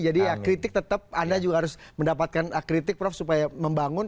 jadi ya kritik tetap anda juga harus mendapatkan kritik prof supaya membangun